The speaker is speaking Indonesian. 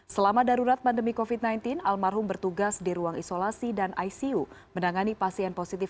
selama darurat pandemi kofit sembilan belas almarhum bertugas di ruang isolasi dan icu menangani pasien positif